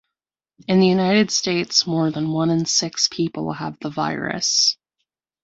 In the United States more than one in six people have the virus.